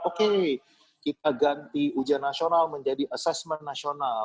oke kita ganti ujian nasional menjadi asesmen nasional